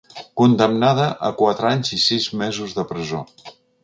Condemnada a quatre anys i sis mesos de presó.